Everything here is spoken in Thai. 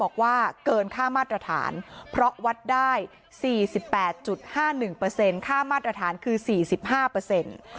บอกว่าเกินค่ามาตรฐานเพราะวัดได้๔๘๕๑เปอร์เซ็นต์ค่ามาตรฐานคือ๔๕เปอร์เซ็นต์